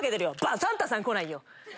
サンタさん来ないよ！